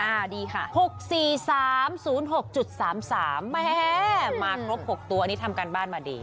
ดีค่ะ๖๔๓๐๖๓๓แม่มาครบ๖ตัวอันนี้ทำการบ้านมาดี